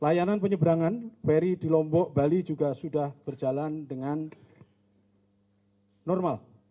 layanan penyeberangan ferry di lombok bali juga sudah berjalan dengan normal